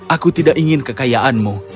aku tidak ingin kekayaanmu